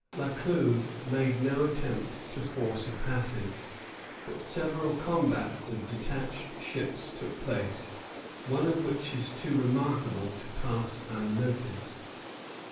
La Clue made no attempt to force a passage; but several combats of detached ships took place, one of which is too remarkable to pass unnoticed.